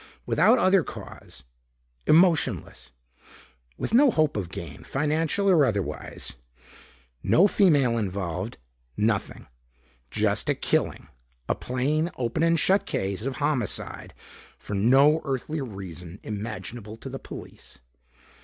Without other cause. Emotionless. With no hope of gain, financial or otherwise. No female involved. Nothing. Just a killing, a plain open and shut case of homicide for no earthly reason imaginable to the police.